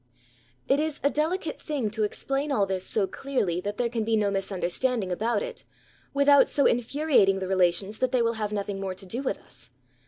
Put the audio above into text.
It is a delicate thing to explain all this so clearly that there can be no misunderstanding about it, without so infuriating the relations that they will have nothing more to do with us.